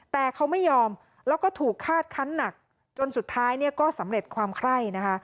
แต่เขาไม่ยอมแล้วก็ถูกคาดคันหนักจนสุดท้ายเนี่ยก็สำเร็จความไคร้นะคะ